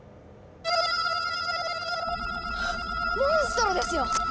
モンストロですよ！